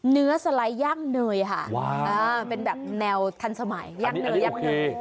เนื้อสไลด์ย่างเนยค่ะว้าวอ่าเป็นแบบแนวทันสมัยย่างเนยอันนี้โอเค